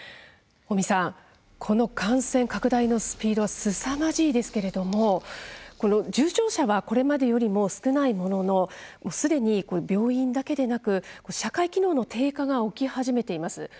尾身さん、この感染拡大のスピードはすさまじいですけれどもこの重症者は、これまでよりも少ないもののすでに、病院だけでなく社会機能の低下が起き始めています。